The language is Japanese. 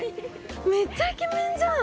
めっちゃイケメンじゃん！